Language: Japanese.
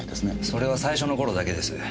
それは最初の頃だけです。